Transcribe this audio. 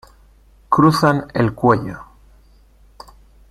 Cruzan el cuello.